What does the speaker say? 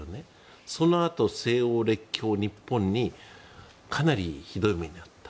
そのあと西欧列強、日本にかなりひどい目に遭った。